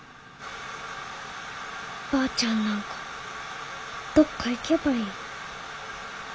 ばあちゃんなんかどっか行けばいい。